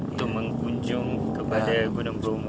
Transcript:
untuk mengunjungi gunung bromo